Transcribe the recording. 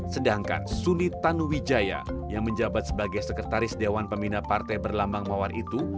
sedangkan suni tanu wijaya yang menjabat sebagai sekretaris dewan pemindah partai berlambang mawar itu